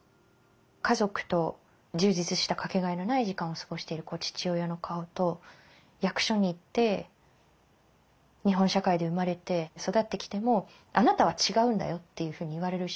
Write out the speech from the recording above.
家族と充実した掛けがえのない時間を過ごしている父親の顔と役所に行って日本社会で生まれて育ってきてもあなたは違うんだよっていうふうに言われる瞬間じゃない？